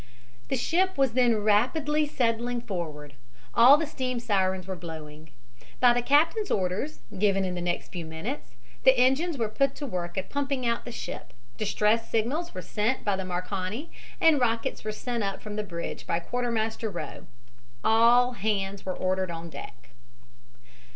The ship was then rapidly settling forward. All the steam sirens were blowing. By the captain's orders, given in the next few minutes, the engines were put to work at pumping out the ship, distress signals were sent by the Marconi, and rockets were sent up from the bridge by Quartermaster Rowe. All hands were ordered on deck.